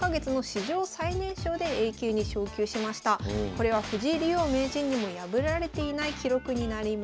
これは藤井竜王名人にも破られていない記録になります。